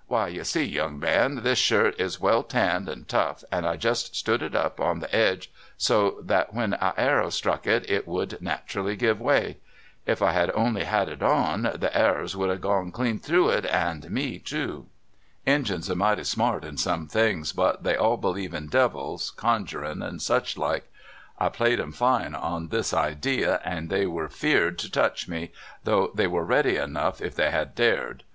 " Why, you see, young man, this shirt is well tanned and tough, and I just stood it up on the edges, so that when a arrer struck it, it would nat arally give way. If I had only had it on, the arrers would have gone clean through it, and me too. Injuns are mighty smart in some things, but they all believe in devils, conjurin', and such like. I played 'em fine on this idee, and they were afeard 10 touch me, though they were ready enough if tliey had dared.